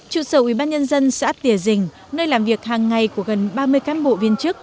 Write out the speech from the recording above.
trụ sở ubnd xã tỉa dình nơi làm việc hàng ngày của gần ba mươi cán bộ viên chức